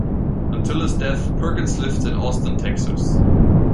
Until his death, Perkins lived in Austin, Texas.